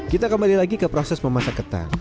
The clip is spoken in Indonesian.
kita kembali lagi ke proses memasak ketan